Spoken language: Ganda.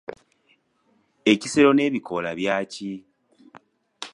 Ekisero n'ebikoola byaki?